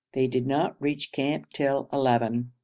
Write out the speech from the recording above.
They did not reach camp till eleven.